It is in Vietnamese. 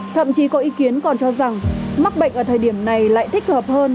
thậm chí có ý kiến còn cho rằng mắc bệnh ở thời điểm này lại thích hợp hơn